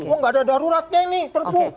oh gak ada daruratnya ini perpu